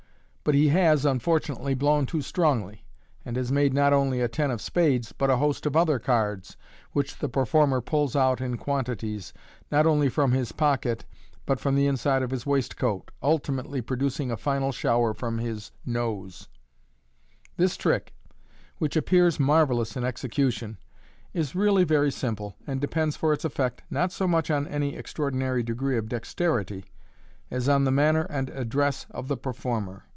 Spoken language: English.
But he has, unfortunately, blown too strongly, and has made not only a ten of spades, but a host of other cards, which the performer pulls out in quantities, not only from his pocket, but from the inside of bit waistcoat — ultimately producing a final shower from his nose. MODERN MAGIC. !•? This trick, which appears marvellous in execution, is really very simple, and depends for its effect, not so much on any extraordinary degree of dexterity, as on the manner and address of the performer.